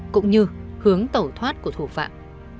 cũng như hướng tẩu thoát của thủ phạm